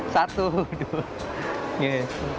satu dua tiga